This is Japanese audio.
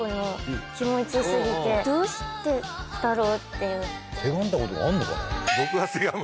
過ぎてどうしてだろう？っていう。